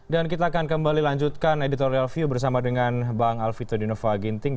dan kita akan kembali lanjutkan editorial view bersama dengan bang alvito dinova ginting